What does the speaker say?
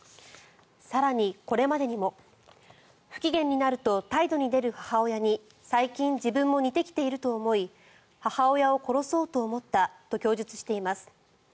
更に、これまでにも不機嫌になると態度に出る母親に最近、自分も似てきていると思い母親を殺そうと思ったと供述しています。